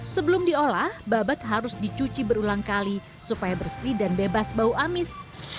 sebelum diolah babat harus dicuci berulang kali supaya bersih dan bebas bau amis